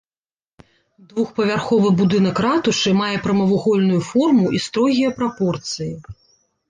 Двухпавярховы будынак ратушы мае прамавугольную форму і строгія прапорцыі.